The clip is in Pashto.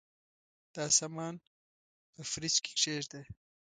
دا سامان په فریج کي کښېږده.